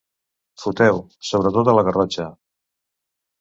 Foteu, sobretot a la Garrotxa.